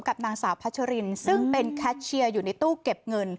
กับนางสาวพัชรินซึ่งเป็นแคชเชียร์อยู่ในตู้เก็บเงิน